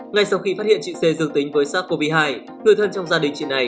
ngay sau khi phát hiện chị sê dương tính với sars cov hai người thân trong gia đình chị này